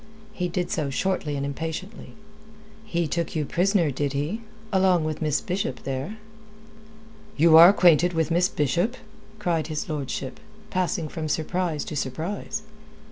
He did so shortly and impatiently. "He took you prisoner, did he along with Miss Bishop there?" "You are acquainted with Miss Bishop?" cried his lordship, passing from surprise to surprise.